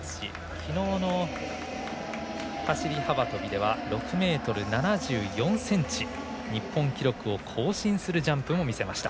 きのうの走り幅跳びでは６ｍ７４ｃｍ日本記録を更新するジャンプを見せました。